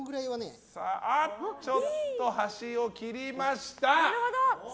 ちょっと端を切りました。